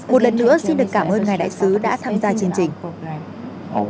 một lần nữa xin được cảm ơn ngài đại sứ đã tham gia chương trình